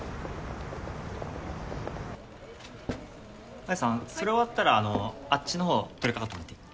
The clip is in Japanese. マヤさんそれ終わったらあっちの方取りかかってもらっていい？